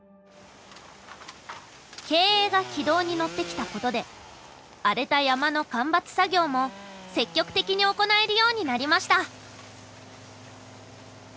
経営が軌道に乗ってきたことで荒れた山の間伐作業も積極的に行えるようになりました。